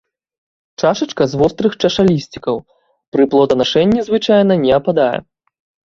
Чашачка з вострых чашалісцікаў, пры плоданашэнні звычайна не ападае.